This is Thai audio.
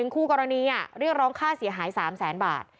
คู่กรณีเรียกร้องค่าเสียหาย๓แสนบาท